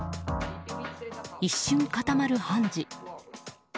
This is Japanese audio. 一瞬固まる判事。